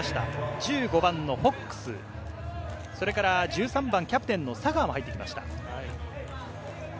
１５番のフォックス、１３番キャプテンのサガーも入ってきました。